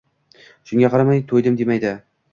Shunga qaramay, to’ydim demaydi.